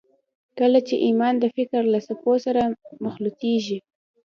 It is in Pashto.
کله چې ايمان د فکر له څپو سره مخلوطېږي.